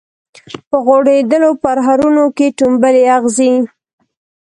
په غوړیدولو پرهرونو کي ټومبلي اغزي